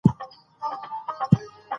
علم خلک له ناپوهي څخه خلاصوي.